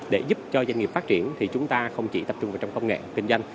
để giúp cho doanh nghiệp phát triển thì chúng ta không chỉ tập trung vào trong công nghệ kinh doanh